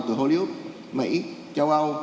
từ hollywood mỹ châu âu